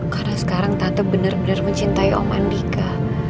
karena sekarang tante benar benar mencintai om andika